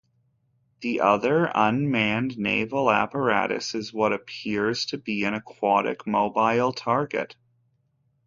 The other unmanned naval apparatus is what appears to be an aquatic mobile target.